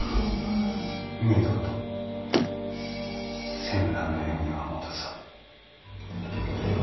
二度と戦乱の世には戻さぬ。